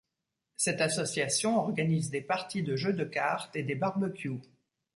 Cette association organise des parties de jeux de cartes et des barbecues.